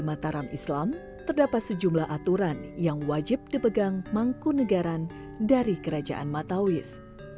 di mataram islam terdapat sejumlah aturan yang wajib dipegang mangku negaran dari kerajaan matawis